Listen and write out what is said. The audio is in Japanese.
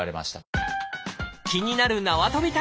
気になるなわとび